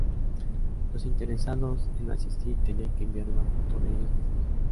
Los interesados en asistir tenían que enviar una foto de ellos mismos.